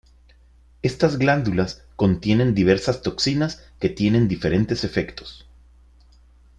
Estas glándulas contienen diversas toxinas que tienen diferentes efectos.